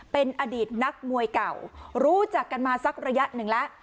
เป็นอดีตนักมวยเก่ารู้จักกันมาสักระยะหนึ่งแล้ว